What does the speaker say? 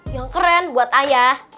yang keren buat ayah